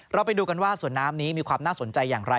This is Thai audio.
เราไปดูกันว่าสวนน้ำนี้มีความน่าสนใจอย่างไร